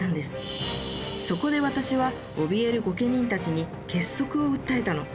そこで私はおびえる御家人たちに結束を訴えたの。